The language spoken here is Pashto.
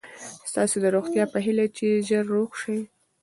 ستاسو د روغتیا په هیله چې ژر روغ شئ.